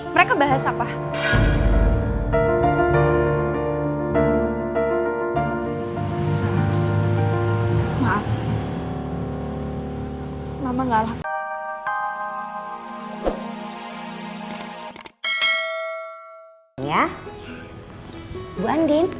mereka bahas apa